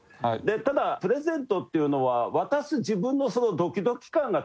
ただプレゼントっていうのは渡す自分のドキドキ感が大切なんだと。